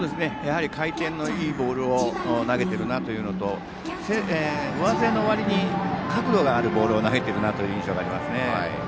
回転のいいボールを投げているなというのと上背の割りに角度があるボールを投げている印象がありますね。